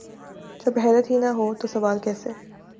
جب حیرت ہی نہ ہو تو سوال کیسے؟